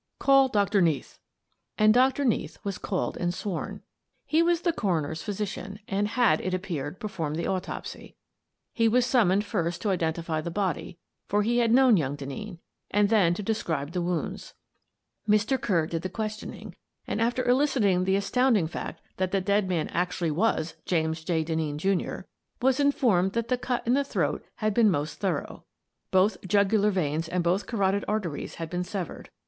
Call Doctor Neath." And Doctor Neath was called and sworn. He was the coroner's physician, and had, it ap peared, performed the autopsy. He was summoned first to identify the body — for he had known young Denneen — and then to describe the wounds. Mr. Kerr did the questioning and, after eliciting the astounding fact that the dead man actually was James J. Denneen, Jr., was informed that the cut in the throat had been most thorough. Both jugu lar veins and both carotid arteries had been severed.